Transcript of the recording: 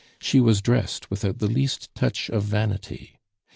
She was dressed without the least touch of vanity.